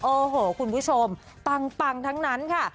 โอ้โหคุณผู้ชมปังทั้งนั้นค่ะ